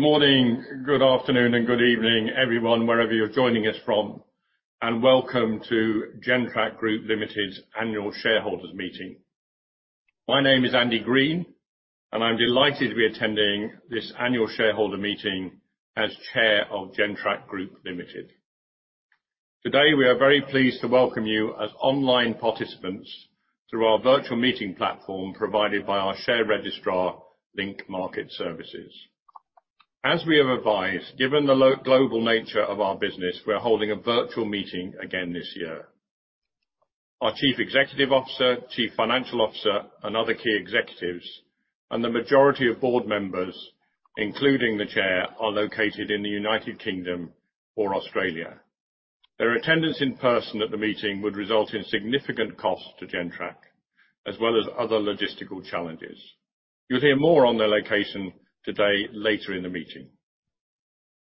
Good morning, good afternoon, and good evening, everyone, wherever you're joining us from, and welcome to Gentrack Group Limited annual shareholders meeting. My name is Andy Green, and I'm delighted to be attending this annual shareholder meeting as Chair of Gentrack Group Limited. Today, we are very pleased to welcome you as online participants through our virtual meeting platform provided by our share registrar Link Market Services. As we have advised, given the global nature of our business, we're holding a virtual meeting again this year. Our Chief Executive Officer, Chief Financial Officer, and other key executives, and the majority of board members, including the Chair, are located in the United Kingdom or Australia. Their attendance in person at the meeting would result in significant cost to Gentrack, as well as other logistical challenges. You'll hear more on their location today later in the meeting.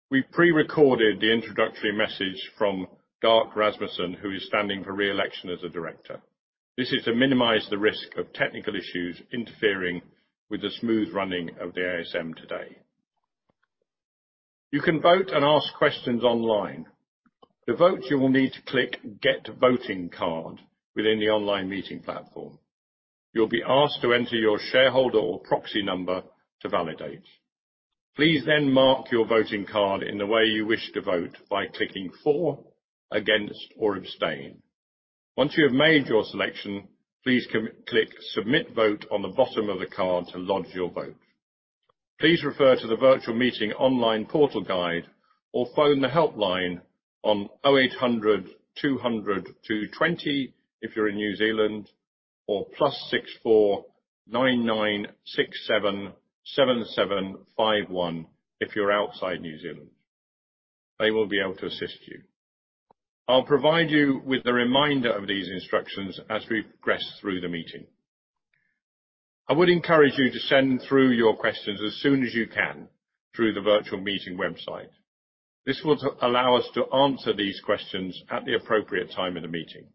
We pre-recorded the introductory message from Darc Rasmussen, who is standing for re-election as a director. This is to minimize the risk of technical issues interfering with the smooth running of the ASM today. You can vote and ask questions online. To vote, you will need to click Get Voting Card within the online meeting platform. You'll be asked to enter your shareholder or proxy number to validate. Please then mark your voting card in the way you wish to vote by clicking for, against, or abstain. Once you have made your selection, please click Submit Vote on the bottom of the card to lodge your vote. Please refer to the virtual meeting online portal guide or phone the help line on 0800 200 220 if you're in New Zealand, or plus 64 9967 7751 if you're outside New Zealand. They will be able to assist you. I'll provide you with a reminder of these instructions as we progress through the meeting. I would encourage you to send through your questions as soon as you can through the virtual meeting website. This will allow us to answer these questions at the appropriate time in the meeting.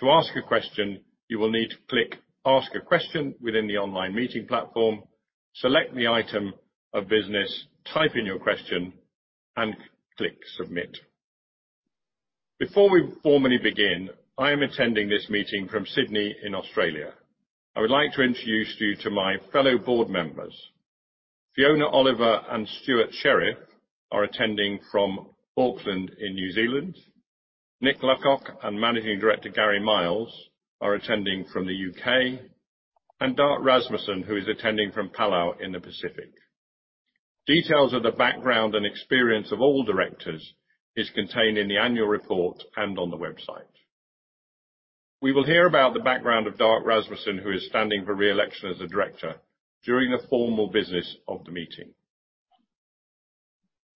To ask a question, you will need to click Ask a Question within the online meeting platform, select the item of business, type in your question, and click Submit. Before we formally begin, I am attending this meeting from Sydney in Australia. I would like to introduce you to my fellow board members. Fiona Oliver and Stewart Sherriff are attending from Auckland in New Zealand. Nick Luckock and Managing Director Gary Miles are attending from the U.K., and Darc Rasmussen, who is attending from Palau in the Pacific. Details of the background and experience of all directors is contained in the annual report and on the website. We will hear about the background of Darc Rasmussen, who is standing for re-election as a director during the formal business of the meeting.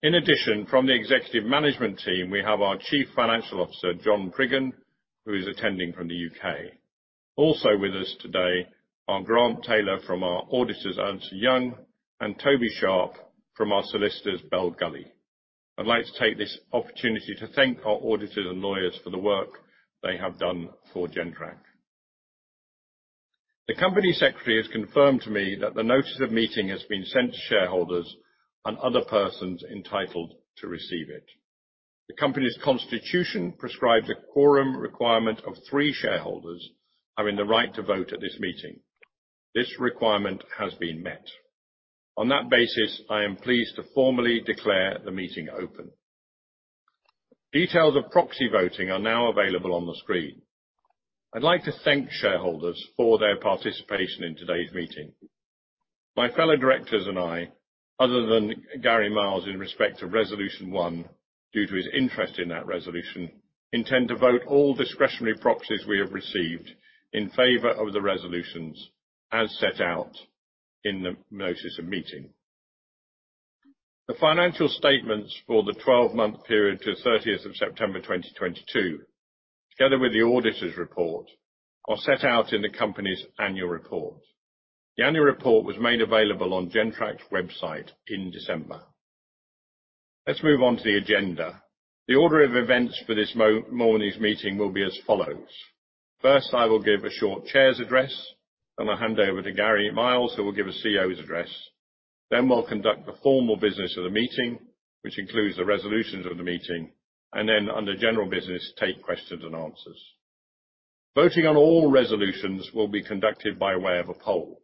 In addition, from the executive management team, we have our Chief Financial Officer, John Priggen, who is attending from the U.K. Also with us today are Grant Taylor from our auditors, Ernst & Young, and Toby Sharp from our solicitors, Bell Gully. I'd like to take this opportunity to thank our auditors and lawyers for the work they have done for Gentrack. The company secretary has confirmed to me that the notice of meeting has been sent to shareholders and other persons entitled to receive it. The company's constitution prescribes a quorum requirement of three shareholders having the right to vote at this meeting. This requirement has been met. I am pleased to formally declare the meeting open. Details of proxy voting are now available on the screen. I'd like to thank shareholders for their participation in today's meeting. My fellow directors and I, other than Gary Miles in respect to resolution one, due to his interest in that resolution, intend to vote all discretionary proxies we have received in favor of the resolutions as set out in the notice of meeting. The financial statements for the 12-month period to 30th of September 2022, together with the auditor's report, are set out in the company's annual report. The annual report was made available on Gentrack's website in December. Let's move on to the agenda. The order of events for this morning's meeting will be as follows. I will give a short chair's address and I'll hand over to Gary Miles, who will give a CEO's address. We'll conduct the formal business of the meeting, which includes the resolutions of the meeting. Under general business, take questions and answers. Voting on all resolutions will be conducted by way of a poll.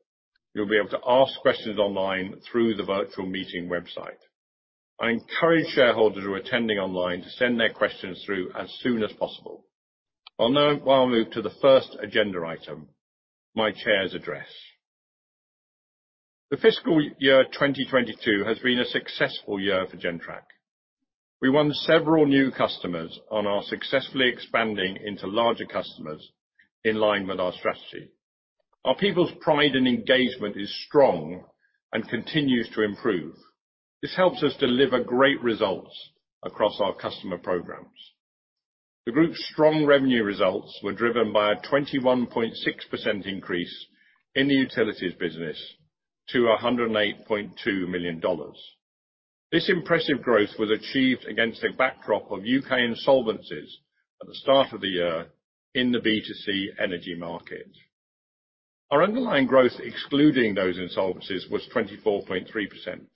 You'll be able to ask questions online through the virtual meeting website. I encourage shareholders who are attending online to send their questions through as soon as possible. I'll move to the first agenda item, my chair's address. The fiscal year 2022 has been a successful year for Gentrack. We won several new customers and are successfully expanding into larger customers in line with our strategy. Our people's pride and engagement is strong and continues to improve. This helps us deliver great results across our customer programs. The group's strong revenue results were driven by a 21.6% increase in the utilities business to 108.2 million dollars. This impressive growth was achieved against a backdrop of UK insolvencies at the start of the year in the B2C energy market. Our underlying growth excluding those insolvencies was 24.3%.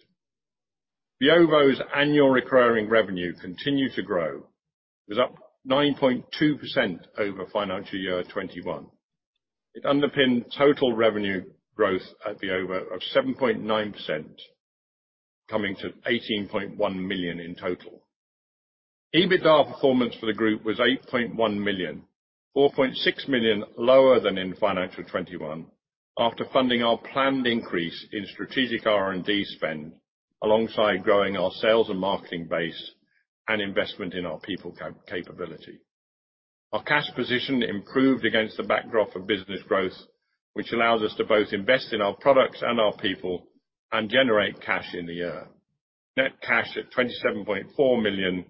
Veovo's annual recurring revenue continued to grow. It was up 9.2% over financial year 2021. It underpinned total revenue growth at Veovo of 7.9%, coming to 18.1 million in total. EBITDA performance for the group was 8.1 million-4.6 million lower than in financial 2021 after funding our planned increase in strategic R&D spend, alongside growing our sales and marketing base and investment in our people capability. Our cash position improved against the backdrop of business growth, which allows us to both invest in our products and our people and generate cash in the year. Net cash at 27.4 million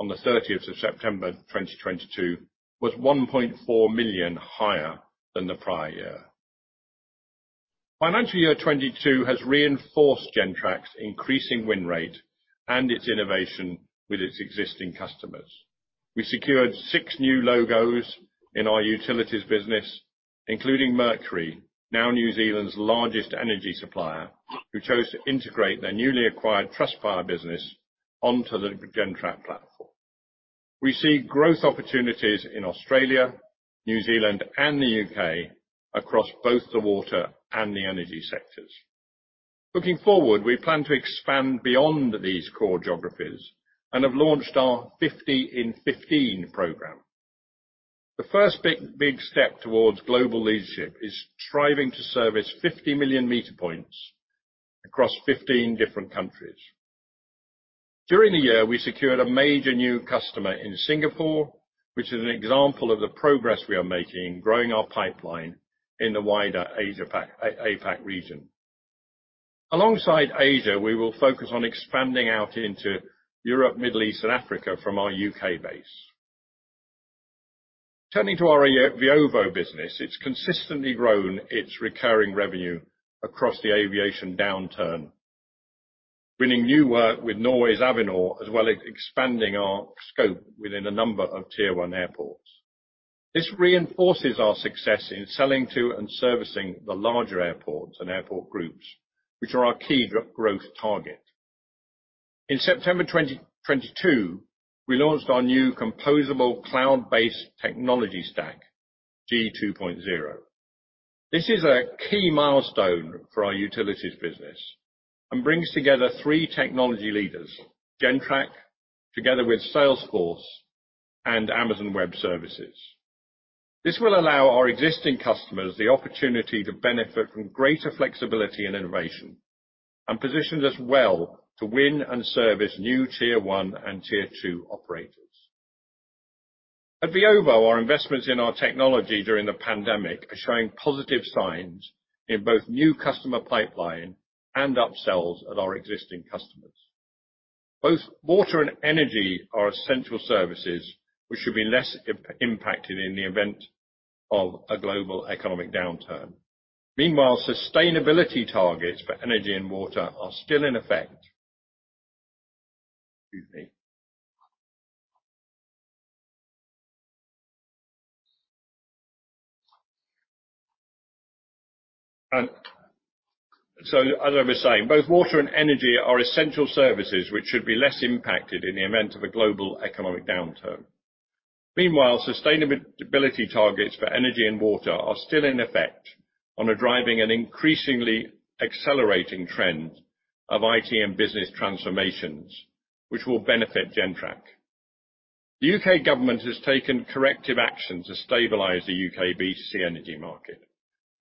on the 30th of September 2022 was 1.4 million higher than the prior year. Financial year 2022 has reinforced Gentrack's increasing win rate and its innovation with its existing customers. We secured 6 new logos in our utilities business, including Mercury, now New Zealand's largest energy supplier, who chose to integrate their newly acquired Trustpower business onto the Gentrack platform. We see growth opportunities in Australia, New Zealand, and the UK across both the water and the energy sectors. Looking forward, we plan to expand beyond these core geographies and have launched our 50 in 15 program. The first big step towards global leadership is striving to service 50 million meter points across 15 different countries. During the year, we secured a major new customer in Singapore, which is an example of the progress we are making in growing our pipeline in the wider APAC region. Alongside Asia, we will focus on expanding out into Europe, Middle East, and Africa from our U.K. base. Turning to our Veovo business, it's consistently grown its recurring revenue across the aviation downturn, winning new work with Norway's Avinor, as well as expanding our scope within a number of tier one airports. This reinforces our success in selling to and servicing the larger airports and airport groups, which are our key growth target. In September 2022, we launched our new composable cloud-based technology stack, g2.0. This is a key milestone for our utilities business and brings together three technology leaders, Gentrack, together with Salesforce and Amazon Web Services. This will allow our existing customers the opportunity to benefit from greater flexibility and innovation, and positions us well to win and service new tier one and tier two operators. At Veovo, our investments in our technology during the pandemic are showing positive signs in both new customer pipeline and upsells of our existing customers. Both water and energy are essential services which should be less impacted in the event of a global economic downturn. Meanwhile, sustainability targets for energy and water are still in effect. Excuse me. As I was saying, both water and energy are essential services which should be less impacted in the event of a global economic downturn. Meanwhile, sustainability targets for energy and water are still in effect and are driving an increasingly accelerating trend of IT and business transformations, which will benefit Gentrack. The UK government has taken corrective action to stabilize the UK B2C energy market.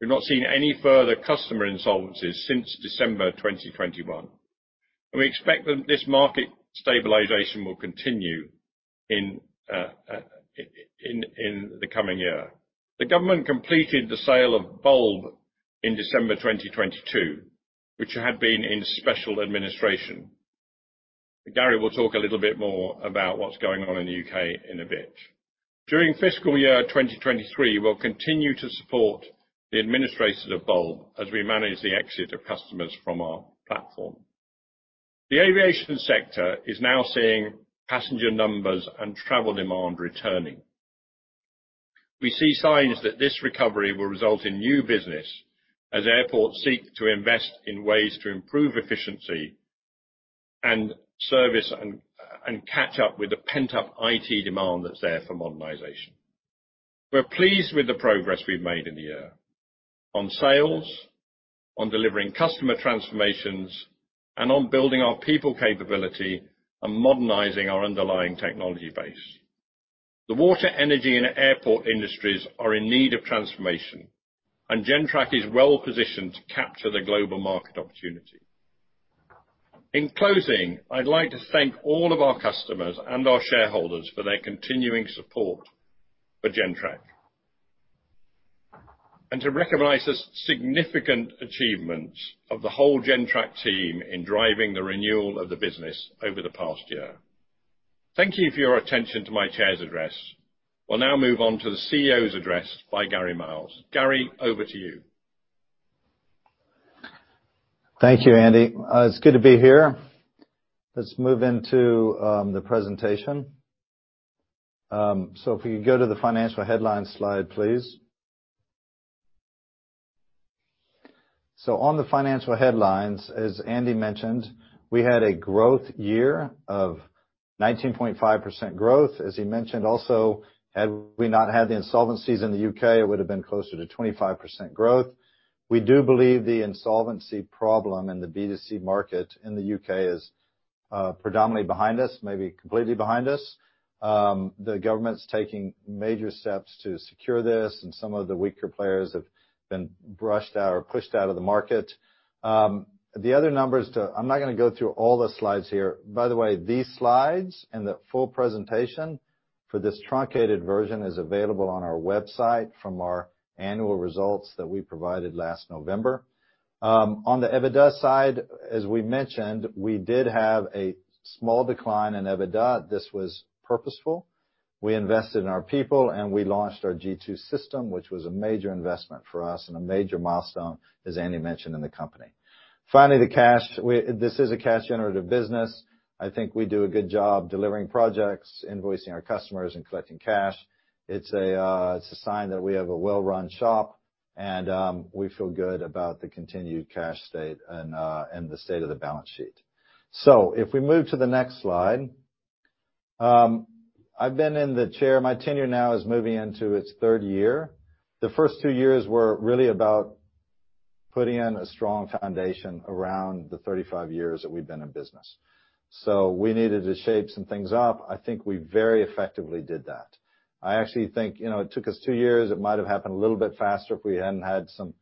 We've not seen any further customer insolvencies since December 2021, and we expect that this market stabilization will continue in the coming year. The government completed the sale of Bulb in December 2022, which had been in special administration. Gary will talk a little bit more about what's going on in the UK in a bit. During fiscal year 2023, we'll continue to support the administration of Bulb as we manage the exit of customers from our platform. The aviation sector is now seeing passenger numbers and travel demand returning. We see signs that this recovery will result in new business as airports seek to invest in ways to improve efficiency and service and catch up with the pent-up IT demand that's there for modernization. We're pleased with the progress we've made in the year on sales, on delivering customer transformations, and on building our people capability and modernizing our underlying technology base. The water, energy, and airport industries are in need of transformation, and Gentrack is well positioned to capture the global market opportunity. In closing, I'd like to thank all of our customers and our shareholders for their continuing support for Gentrack, and to recognize the significant achievements of the whole Gentrack team in driving the renewal of the business over the past year. Thank you for your attention to my chair's address. We'll now move on to the CEO's address by Gary Miles. Gary, over to you. Thank you, Andy. It's good to be here. Let's move into the presentation. If you go to the financial headlines slide, please. On the financial headlines, as Andy mentioned, we had a growth year of 19.5% growth. As he mentioned also, had we not had the insolvencies in the UK, it would've been closer to 25% growth. We do believe the insolvency problem in the B2C market in the UK is predominantly behind us, maybe completely behind us. The government's taking major steps to secure this, some of the weaker players have been brushed out or pushed out of the market. I'm not gonna go through all the slides here. These slides and the full presentation for this truncated version is available on our website from our annual results that we provided last November. On the EBITDA side, as we mentioned, we did have a small decline in EBITDA. This was purposeful. We invested in our people, and we launched our g2 system, which was a major investment for us and a major milestone, as Andy mentioned, in the company. Finally, the cash. This is a cash generative business. I think we do a good job delivering projects, invoicing our customers and collecting cash. It's a sign that we have a well-run shop, and we feel good about the continued cash state and the state of the balance sheet. If we move to the next slide. I've been in the chair. My tenure now is moving into its third year. The first two years were really about putting in a strong foundation around the 35 years that we've been in business. We needed to shape some things up. I think we very effectively did that. I actually think, you know, it took us two years. It might have happened a little bit faster if we hadn't had some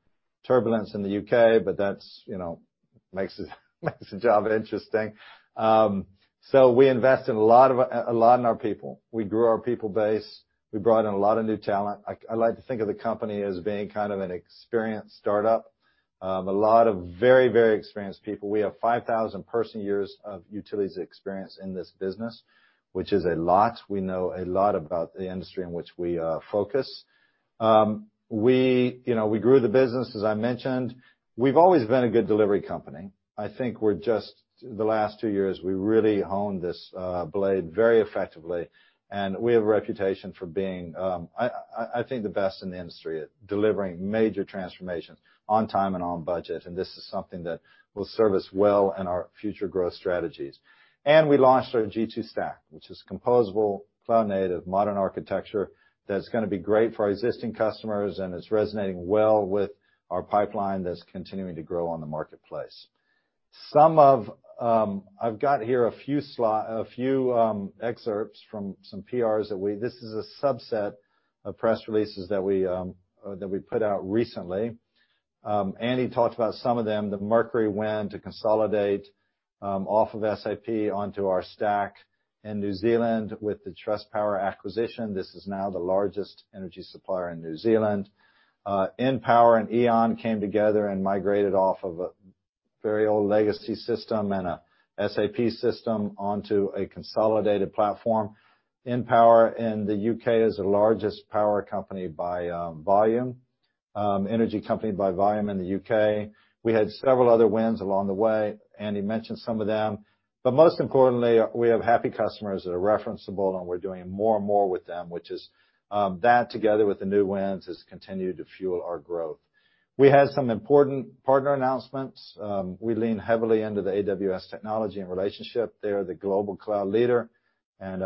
turbulence in the UK, but that's, you know, makes it, makes the job interesting. We invest a lot in our people. We grew our people base. We brought in a lot of new talent. I like to think of the company as being kind of an experienced startup. A lot of very, very experienced people. We have 5,000 person years of utilities experience in this business, which is a lot. We know a lot about the industry in which we focus. We, you know, we grew the business, as I mentioned. We've always been a good delivery company. The last two years, we really honed this blade very effectively, and we have a reputation for being, I think the best in the industry at delivering major transformations on time and on budget. This is something that will serve us well in our future growth strategies. We launched our g2 stack, which is composable, cloud-native, modern architecture that's gonna be great for our existing customers, and it's resonating well with our pipeline that's continuing to grow on the marketplace. Some of, I've got here a few excerpts from some PRs that we... This is a subset of press releases that we put out recently. Andy talked about some of them, the Mercury win to consolidate off of SAP onto our stack in New Zealand with the Trustpower acquisition. This is now the largest energy supplier in New Zealand. npower and E.ON came together and migrated off of a very old legacy system and a SAP system onto a consolidated platform. npower in the UK is the largest power company by volume, energy company by volume in the UK. We had several other wins along the way, Andy mentioned some of them. Most importantly, we have happy customers that are referenceable, and we're doing more and more with them, which is that together with the new wins has continued to fuel our growth. We had some important partner announcements. We lean heavily into the AWS technology and relationship. They are the global cloud leader, and,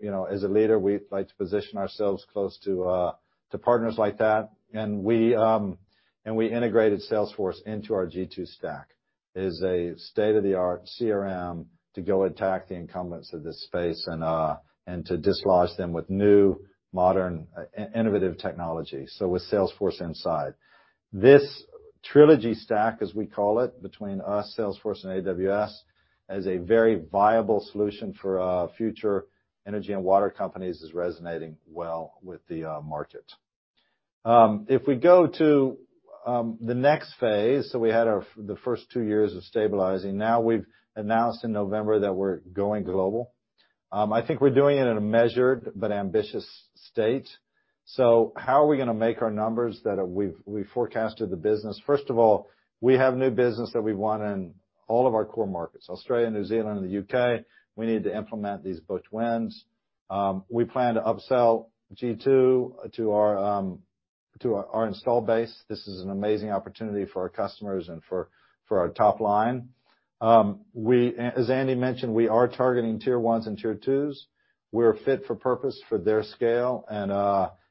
you know, as a leader, we like to position ourselves close to partners like that. We integrated Salesforce into our g2 stack. It is a state-of-the-art CRM to go attack the incumbents of this space and to dislodge them with new, modern, innovative technology, so with Salesforce inside. This trilogy stack, as we call it, between us, Salesforce and AWS, as a very viable solution for future energy and water companies, is resonating well with the market. If we go to the next phase. We had the first two years of stabilizing. We've announced in November that we're going global. I think we're doing it in a measured but ambitious state. How are we gonna make our numbers that we forecasted the business? First of all, we have new business that we want in all of our core markets, Australia, New Zealand and the UK. We need to implement these booked wins. We plan to upsell g2 to our install base. This is an amazing opportunity for our customers and for our top line. As Andy mentioned, we are targeting tier ones and tier twos. We're fit for purpose for their scale,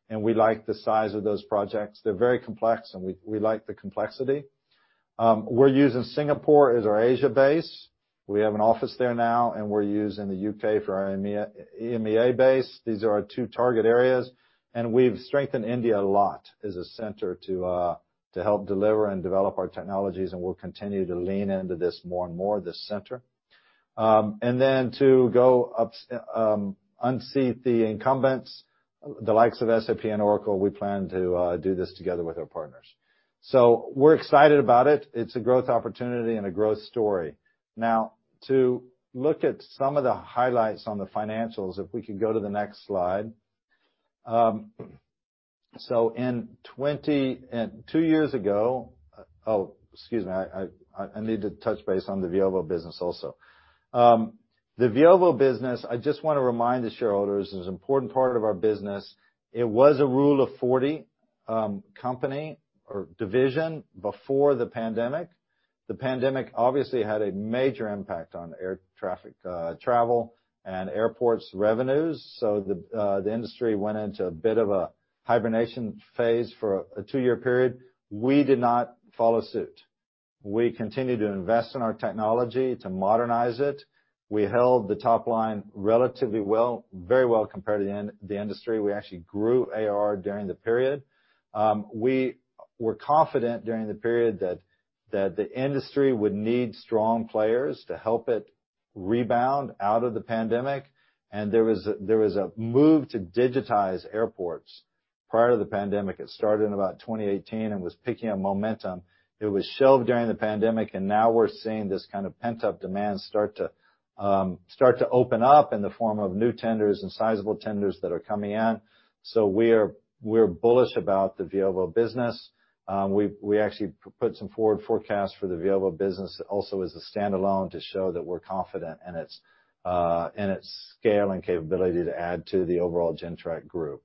and we like the size of those projects. They're very complex, and we like the complexity. We're using Singapore as our Asia base. We have an office there now, and we're using the UK for our EMEA base. These are our two target areas, and we've strengthened India a lot as a center to help deliver and develop our technologies, and we'll continue to lean into this more and more, this center. To go up, unseat the incumbents, the likes of SAP and Oracle, we plan to do this together with our partners. We're excited about it. It's a growth opportunity and a growth story. To look at some of the highlights on the financials, if we could go to the next slide. Two years ago, excuse me, I need to touch base on the Veovo business also. The Veovo business, I just wanna remind the shareholders, is an important part of our business. It was a Rule of 40 company or division before the pandemic. The pandemic obviously had a major impact on air traffic, travel and airports' revenues. The industry went into a bit of a hibernation phase for a two-year period. We did not follow suit. We continued to invest in our technology to modernize it. We held the top line relatively well, very well compared to the industry. We actually grew AR during the period. We were confident during the period that the industry would need strong players to help it rebound out of the pandemic. There was a move to digitize airports prior to the pandemic. It started in about 2018 and was picking up momentum. It was shelved during the pandemic, and now we're seeing this kind of pent-up demand start to open up in the form of new tenders and sizable tenders that are coming in. We're bullish about the Veovo business. We actually put some forward forecasts for the Veovo business also as a standalone to show that we're confident in its in its scale and capability to add to the overall Gentrack Group.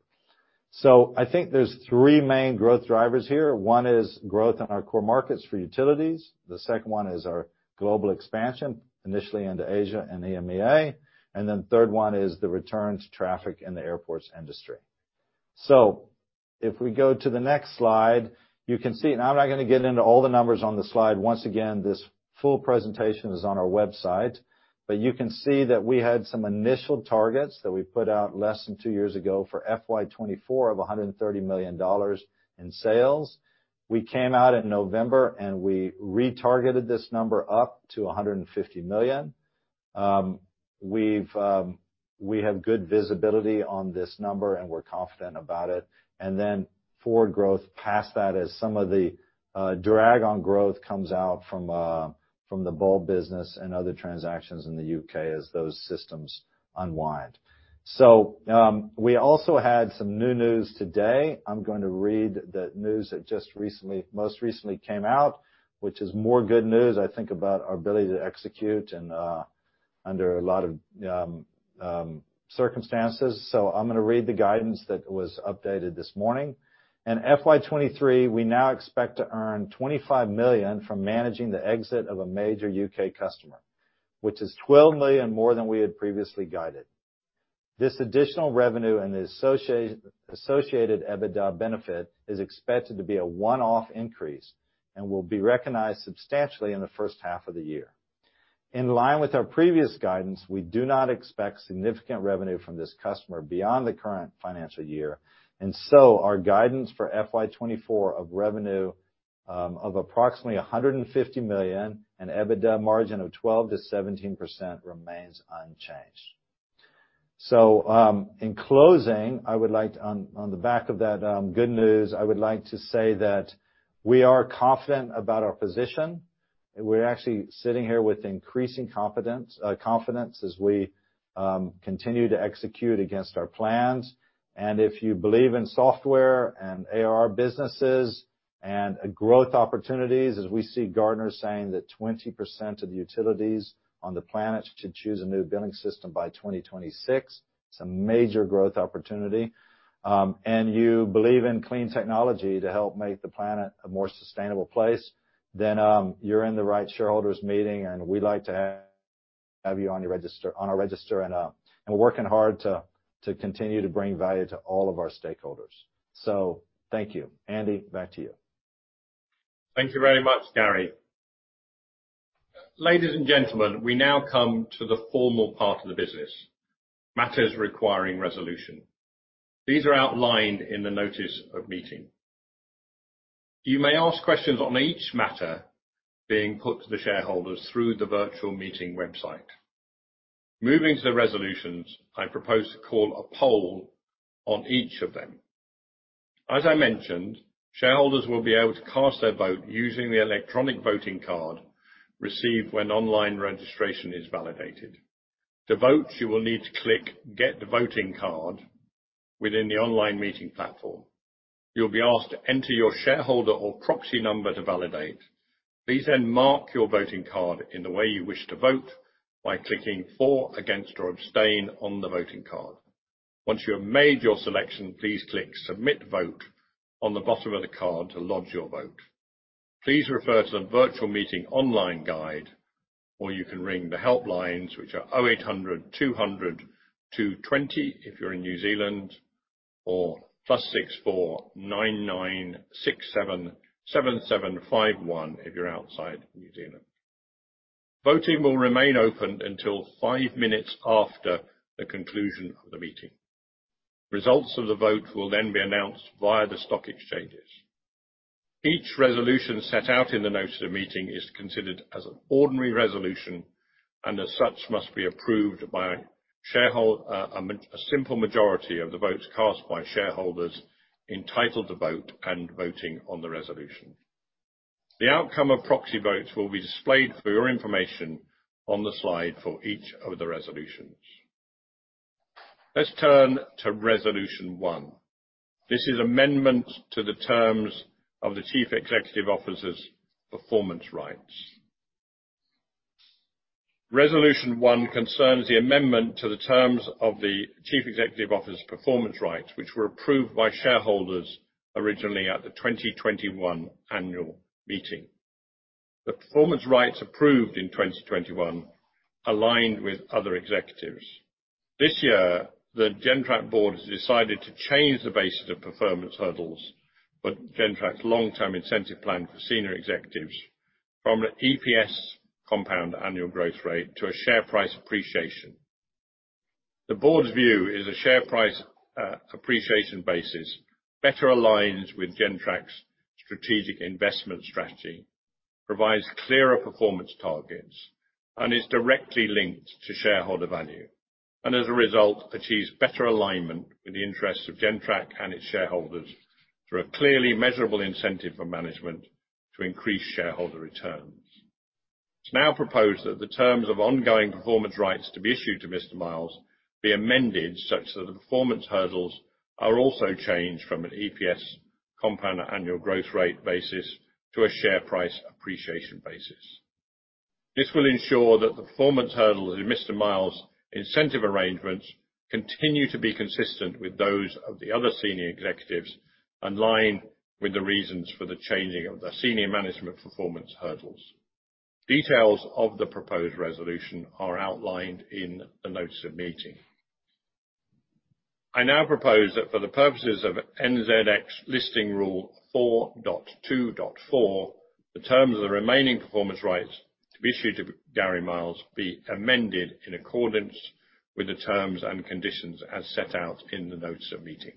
I think there's three main growth drivers here. One is growth in our core markets for utilities. The second one is our global expansion, initially into Asia and EMEA. The third one is the return to traffic in the airports industry. If we go to the next slide, you can see. Now, I'm not gonna get into all the numbers on the slide. Once again, this full presentation is on our website. You can see that we had some initial targets that we put out less than two years ago for FY 2024 of 130 million dollars in sales. We came out in November, and we retargeted this number up to 150 million. We have good visibility on this number, and we're confident about it. Then forward growth past that as some of the drag on growth comes out from the Bulb business and other transactions in the U.K. as those systems unwind. We also had some new news today. I'm going to read the news that just recently, most recently came out, which is more good news, I think, about our ability to execute and under a lot of circumstances. I'm gonna read the guidance that was updated this morning. In FY 2023, we now expect to earn 25 million from managing the exit of a major U.K. customer, which is 12 million more than we had previously guided. This additional revenue and the associated EBITDA benefit is expected to be a one-off increase and will be recognized substantially in the first half of the year. In line with our previous guidance, we do not expect significant revenue from this customer beyond the current financial year. Our guidance for FY 2024 of revenue of approximately 150 million and EBITDA margin of 12%-17% remains unchanged. In closing, I would like to, on the back of that, good news, I would like to say that we are confident about our position, and we're actually sitting here with increasing confidence as we continue to execute against our plans. If you believe in software and AR businesses and growth opportunities, as we see Gartner saying that 20% of the utilities on the planet should choose a new billing system by 2026, it's a major growth opportunity, and you believe in clean technology to help make the planet a more sustainable place, then you're in the right shareholders' meeting, and we'd like to have you on our register, and we're working hard to continue to bring value to all of our stakeholders. Thank you. Andy, back to you. Thank you very much, Gary. Ladies and gentlemen, we now come to the formal part of the business, matters requiring resolution. These are outlined in the notice of meeting. You may ask questions on each matter being put to the shareholders through the virtual meeting website. Moving to the resolutions, I propose to call a poll on each of them. As I mentioned, shareholders will be able to cast their vote using the electronic voting card received when online registration is validated. To vote, you will need to click Get the Voting Card within the online meeting platform. You'll be asked to enter your shareholder or proxy number to validate. Please then mark your voting card in the way you wish to vote by clicking For, Against, or Abstain on the voting card. Once you have made your selection, please click Submit Vote on the bottom of the card to lodge your vote. Please refer to the virtual meeting online guide, or you can ring the help lines, which are 0800 200 220 if you're in New Zealand, or +64 99 67 7751 if you're outside New Zealand. Voting will remain open until five minutes after the conclusion of the meeting. Results of the vote will then be announced via the stock exchanges. Each resolution set out in the notice of meeting is considered as an ordinary resolution, as such must be approved by a simple majority of the votes cast by shareholders entitled to vote and voting on the resolution. The outcome of proxy votes will be displayed for your information on the slide for each of the resolutions. Let's turn to resolution one. This is amendment to the terms of the Chief Executive Officer's performance rights. Resolution 1 concerns the amendment to the terms of the Chief Executive Officer's performance rights, which were approved by shareholders originally at the 2021 annual meeting. The performance rights approved in 2021 aligned with other executives. This year, the Gentrack board has decided to change the basis of performance hurdles for Gentrack's long-term incentive plan for senior executives from an EPS compound annual growth rate to a share price appreciation. The board's view is a share price appreciation basis better aligns with Gentrack's strategic investment strategy, provides clearer performance targets, and is directly linked to shareholder value. As a result, achieves better alignment with the interests of Gentrack and its shareholders through a clearly measurable incentive for management to increase shareholder returns. It's now proposed that the terms of ongoing performance rights to be issued to Mr. Miles be amended such that the performance hurdles are also changed from an EPS compound annual growth rate basis to a share price appreciation basis. This will ensure that the performance hurdles in Mr. Miles' incentive arrangements continue to be consistent with those of the other senior executives, in line with the reasons for the changing of the senior management performance hurdles. Details of the proposed resolution are outlined in the notes of meeting. I now propose that for the purposes of NZX Listing Rule 4.2.4, the terms of the remaining performance rights to be issued to Gary Miles be amended in accordance with the terms and conditions as set out in the notes of meeting.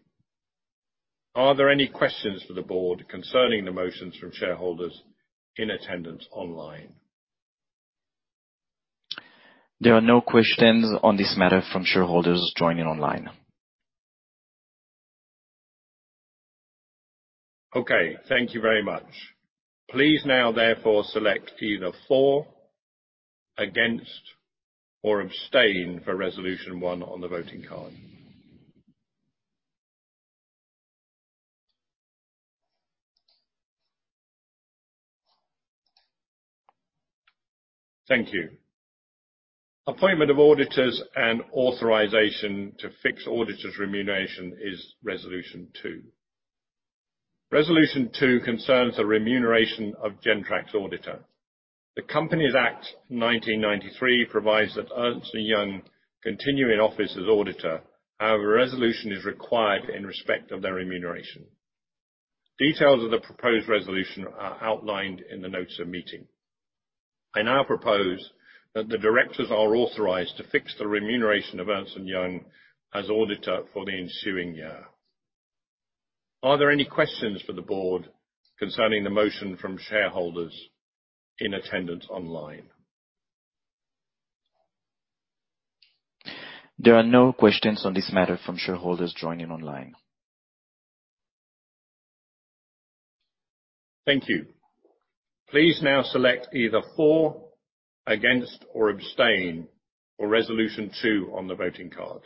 Are there any questions for the board concerning the motions from shareholders in attendance online? There are no questions on this matter from shareholders joining online. Okay, thank you very much. Please now therefore select either for, against, or abstain for resolution 1 on the voting card. Thank you. Appointment of auditors and authorization to fix auditors remuneration is resolution two. Resolution two concerns the remuneration of Gentrack's auditor. The Companies Act 1993 provides that Ernst & Young continue in office as auditor. However, a resolution is required in respect of their remuneration. Details of the proposed resolution are outlined in the notes of meeting. I now propose that the directors are authorized to fix the remuneration of Ernst & Young as auditor for the ensuing year. Are there any questions for the board concerning the motion from shareholders in attendance online? There are no questions on this matter from shareholders joining online. Thank you. Please now select either for, against, or abstain for resolution two on the voting card.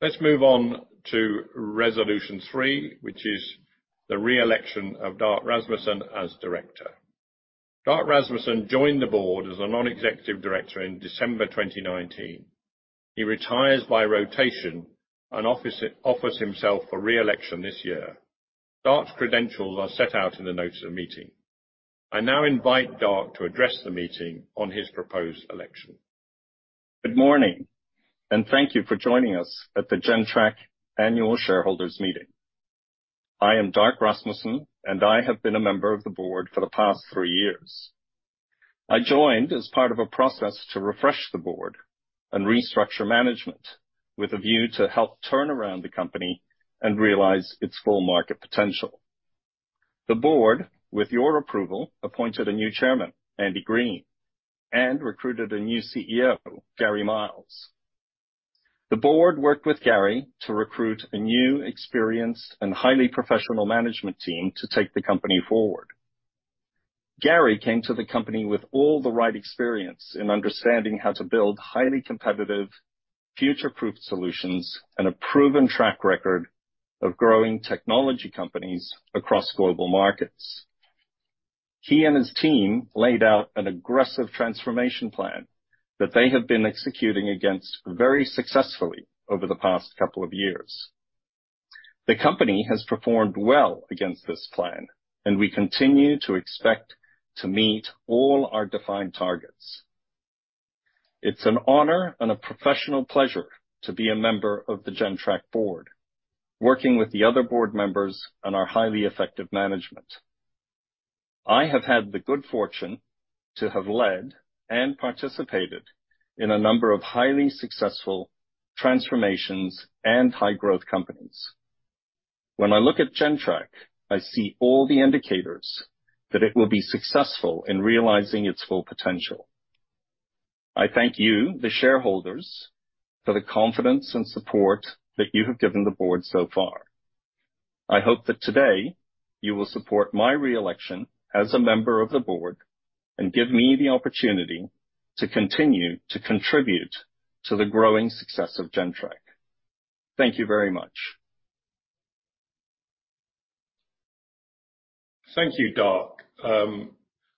Let's move on to resolution three, which is the re-election of Darc Rasmussen as Director. Darc Rasmussen joined the board as a Non-Executive Director in December 2019. He retires by rotation and offers himself for re-election this year. Darc's credentials are set out in the notes of meeting. I now invite Darc to address the meeting on his proposed election. Good morning. Thank you for joining us at the Gentrack annual shareholders meeting. I am Darc Rasmussen. I have been a member of the board for the past three years. I joined as part of a process to refresh the board and restructure management with a view to help turn around the company and realize its full market potential. The board, with your approval, appointed a new Chairman, Andy Green, and recruited a new CEO, Gary Miles. The board worked with Gary to recruit a new, experienced, and highly professional management team to take the company forward. Gary came to the company with all the right experience in understanding how to build highly competitive, future-proof solutions and a proven track record of growing technology companies across global markets. He and his team laid out an aggressive transformation plan that they have been executing against very successfully over the past couple of years. The company has performed well against this plan, and we continue to expect to meet all our defined targets. It's an honor and a professional pleasure to be a member of the Gentrack board, working with the other board members and our highly effective management. I have had the good fortune to have led and participated in a number of highly successful transformations and high-growth companies. When I look at Gentrack, I see all the indicators that it will be successful in realizing its full potential. I thank you, the shareholders, for the confidence and support that you have given the board so far. I hope that today you will support my re-election as a member of the board and give me the opportunity to continue to contribute to the growing success of Gentrack. Thank you very much. Thank you, Darc.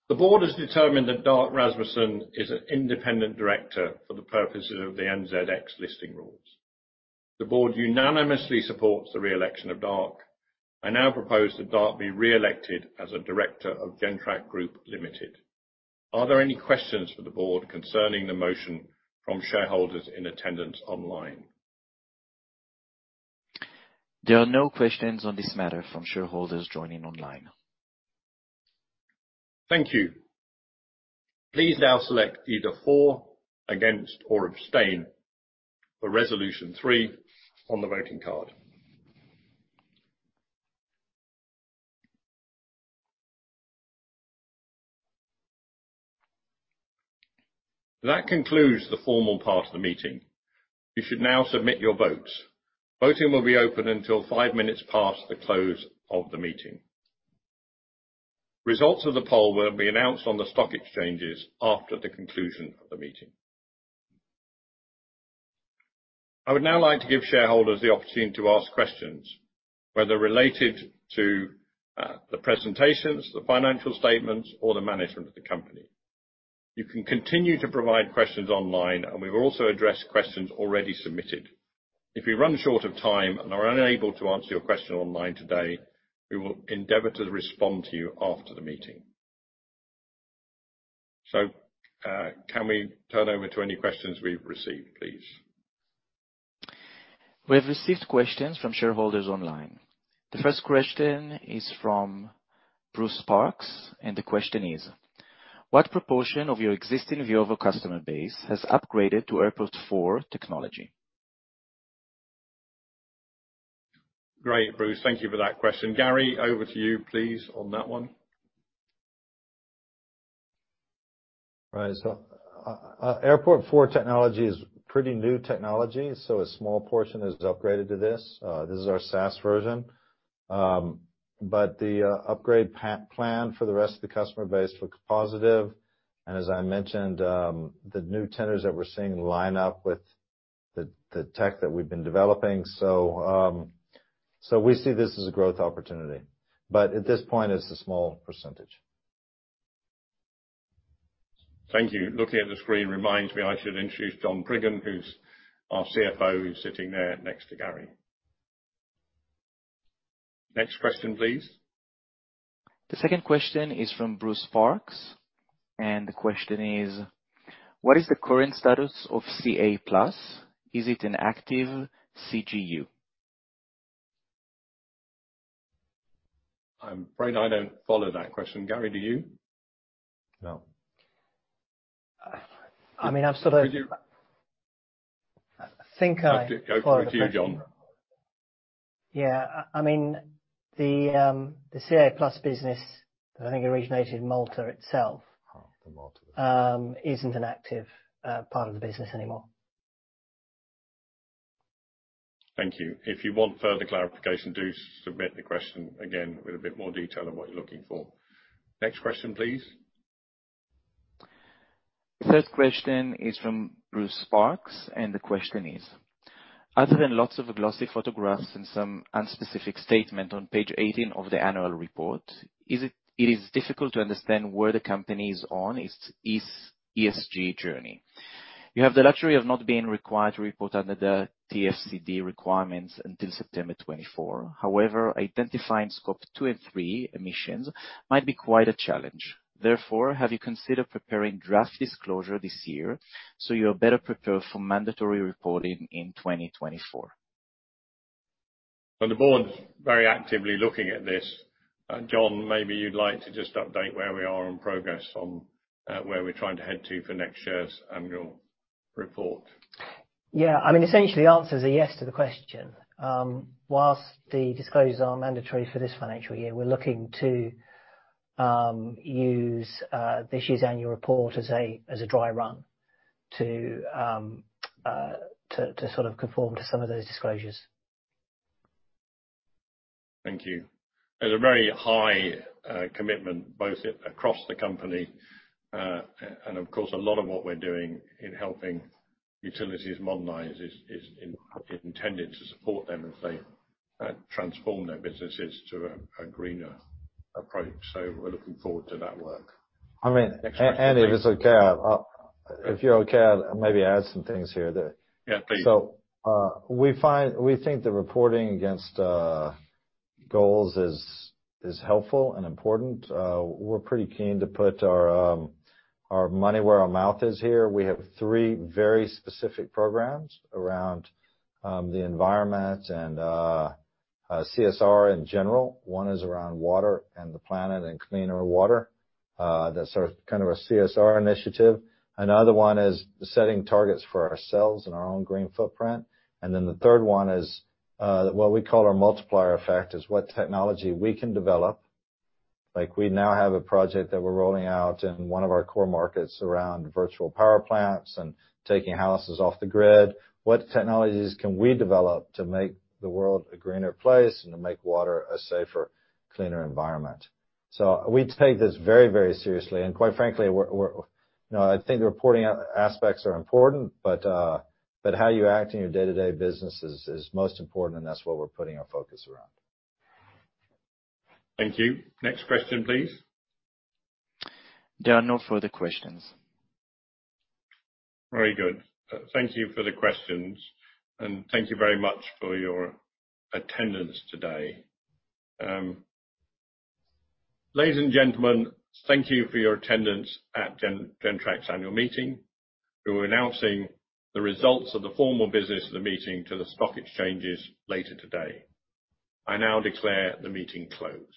The board has determined that Darc Rasmussen is an independent director for the purposes of the NZX listing rules. The board unanimously supports the re-election of Darc. I now propose that Darc be re-elected as a director of Gentrack Group Limited. Are there any questions for the board concerning the motion from shareholders in attendance online? There are no questions on this matter from shareholders joining online. Thank you. Please now select either for, against, or abstain for resolution three on the voting card. That concludes the formal part of the meeting. You should now submit your votes. Voting will be open until five minutes past the close of the meeting. Results of the poll will be announced on the stock exchanges after the conclusion of the meeting. I would now like to give shareholders the opportunity to ask questions, whether related to the presentations, the financial statements or the management of the company. You can continue to provide questions online, and we've also addressed questions already submitted. If we run short of time and are unable to answer your question online today, we will endeavor to respond to you after the meeting. Can we turn over to any questions we've received, please? We have received questions from shareholders online. The first question is from Bruce Sparks, the question is, what proportion of your existing Veovo customer base has upgraded to Airport 4 technology? Great, Bruce. Thank you for that question. Gary, over to you, please, on that one. Right. Airport four technology is pretty new technology, so a small portion is upgraded to this. This is our SaaS version. The upgrade plan for the rest of the customer base looks positive. As I mentioned, the new tenders that we're seeing line up with the tech that we've been developing. We see this as a growth opportunity. At this point, it's a small percentage. Thank you. Looking at the screen reminds me I should introduce John Priggen who's our CFO, sitting there next to Gary. Next question, please. The second question is from Bruce Sparks, and the question is, what is the current status of CA+? Is it an active CGU? I'm afraid I don't follow that question. Gary, do you? No. I mean, I've sort of. Could you- I think. Go for it, John. Yeah. I mean, the CA+ business, I think originated in Malta itself. The Malta. Isn't an active part of the business anymore. Thank you. If you want further clarification, do submit the question again with a bit more detail on what you're looking for. Next question, please. Third question is from Bruce Sparks. The question is, other than lots of glossy photographs and some unspecific statement on page 18 of the annual report, it is difficult to understand where the company is on its ESG journey. You have the luxury of not being required to report under the TCFD requirements until September 2024. Identifying scope two and three emissions might be quite a challenge. Have you considered preparing draft disclosure this year so you are better prepared for mandatory reporting in 2024? The board is very actively looking at this. John, maybe you'd like to just update where we are on progress on, where we're trying to head to for next year's annual report. I mean, essentially, the answer is a yes to the question. Whilst the disclosures are mandatory for this financial year, we're looking to use this year's annual report as a dry run to sort of conform to some of those disclosures. Thank you. There's a very high commitment, both across the company, and of course, a lot of what we're doing in helping utilities modernize is intended to support them as they transform their businesses to a greener approach. We're looking forward to that work. I mean. Next question, please. If it's okay, If you're okay, I'll maybe add some things here there. Yeah, please. We think the reporting against goals is helpful and important. We're pretty keen to put our money where our mouth is here. We have three very specific programs around the environment and CSR in general. One is around water and the planet and cleaner water. That's our kind of a CSR initiative. Another one is setting targets for ourselves and our own green footprint. The third one is what we call our multiplier effect, is what technology we can develop. Like, we now have a project that we're rolling out in one of our core markets around virtual power plants and taking houses off the grid. What technologies can we develop to make the world a greener place and to make water a safer, cleaner environment? we take this very, very seriously, and quite frankly, we're You know, I think the reporting aspects are important, but how you act in your day-to-day business is most important, and that's what we're putting our focus around. Thank you. Next question, please. There are no further questions. Very good. Thank you for the questions, and thank you very much for your attendance today. Ladies and gentlemen, thank you for your attendance at Gentrack's annual meeting. We're announcing the results of the formal business of the meeting to the stock exchanges later today. I now declare the meeting closed.